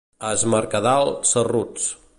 A es Mercadal, cerruts.